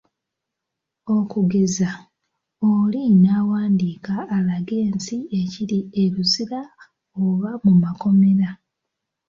Okugeza, oli n'awandiika alage ensi ekiri e Luzira oba mu makomera.